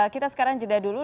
kita sekarang jeda dulu